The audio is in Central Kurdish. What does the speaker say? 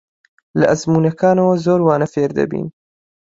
لە ئەزموونەکانەوە زۆر وانە فێر دەبین.